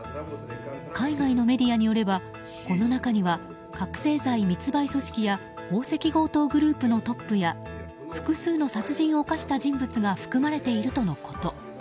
海外のメディアによればこの中には覚醒剤密売組織や宝石強盗グループのトップや複数の殺人を犯した人物が含まれているとのこと。